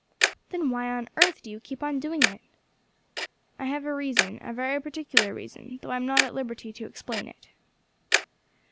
"Then why on earth do you keep on doing it?" "I have a reason, a very particular reason, though I am not at liberty to explain it."